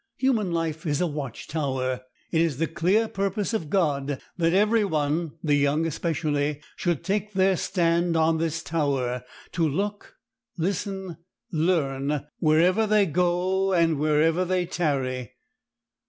Human life is a watch tower. It is the clear purpose of God that every one—the young especially—should take their stand on this tower, to look, listen, learn, wherever they go and wherever they tarry.